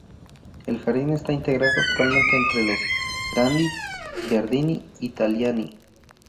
El jardín está integrado actualmente entre los Grandi Giardini Italiani.